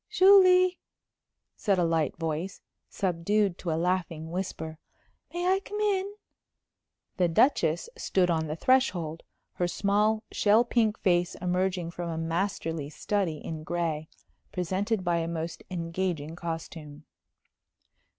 "Julie!" said a light voice, subdued to a laughing whisper. "May I come in?" The Duchess stood on the threshold, her small, shell pink face emerging from a masterly study in gray, presented by a most engaging costume.